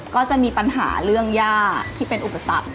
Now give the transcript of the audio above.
ก็จะมีปัญหาเรื่องย่าที่เป็นอุปสรรค